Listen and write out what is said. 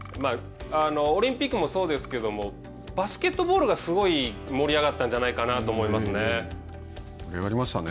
オリンピックもそうですけどもバスケットボールがすごい盛り上がったんじゃないか盛り上がりましたね